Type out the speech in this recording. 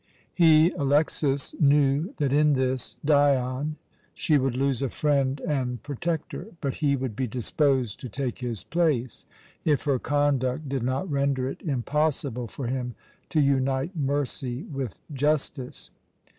He, Alexas, knew that in this Dion she would lose a friend and protector, but he would be disposed to take his place if her conduct did not render it impossible for him to unite mercy with justice.